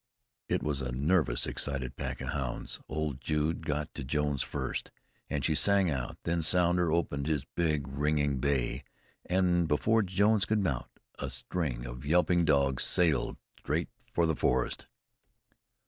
It was a nervous, excited pack of hounds. Old Jude got to Jones first, and she sang out; then Sounder opened with his ringing bay, and before Jones could mount, a string of yelping dogs sailed straight for the forest.